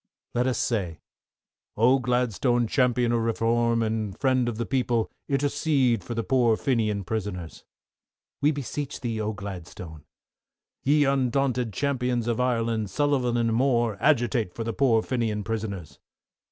LET US SAY, Oh, Gladstone, Champion of Reform, and Friend of the People, intercede for the poor Fenian prisoners. We beseech thee, oh, Gladstone. Ye undaunted Champions of Ireland, Sullivan and Moore, agitate for the poor Fenian prisoners.